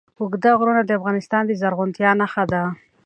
اوږده غرونه د افغانستان د زرغونتیا نښه ده.